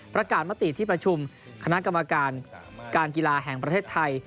ประกาศมติที่ประชุมคณะกรรมการการกีฬาแห่งประเทศไทย